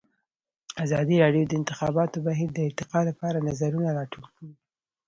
ازادي راډیو د د انتخاباتو بهیر د ارتقا لپاره نظرونه راټول کړي.